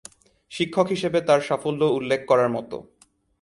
শিক্ষক হিসেবে তার সাফল্য উল্লেখ করার মতো।